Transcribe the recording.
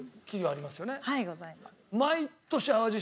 はいございます。